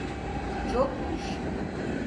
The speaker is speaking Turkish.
Çokmuş.